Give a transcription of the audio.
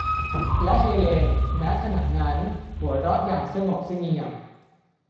และเฮเลน แม้ขณะนั้น หัวเราะอย่างสงบเสงี่ยม